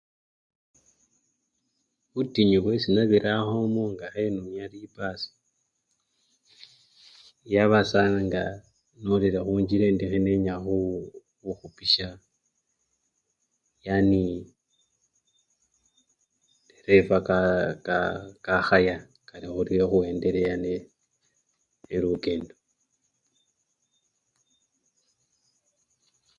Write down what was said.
Butinyu bwesi nabirakhomo nga khenumya lipasii yaba saa nga nolile khunjila endi khenenya khuu! khukhupisya yanii! nderefa kaa! kaa! kakhaya kari khuli khakhuwendelea nelukendo.